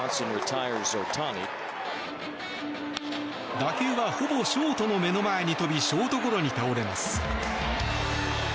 打球はほぼショートの目の前に飛びショートゴロに倒れます。